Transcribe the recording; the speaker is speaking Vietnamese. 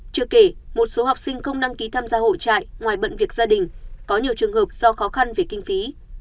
chưa kể một số học sinh không đăng ký tham gia hội trại ngoài bận việc gia đình có nhiều trường hợp do khó khăn về kinh phí